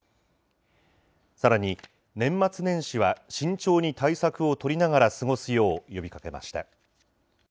さらに、年末年始は慎重に対策を取りながら過ごすよう呼びかけました。